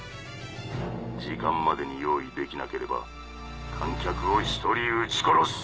時間までに用意できなければ観客を１人撃ち殺す！